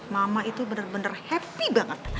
mama itu bener bener happy banget